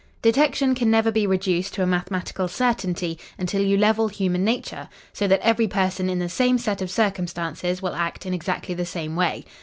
"Detection can never be reduced to a mathematical certainty until you level human nature, so that every person in the same set of circumstances will act in exactly the same way.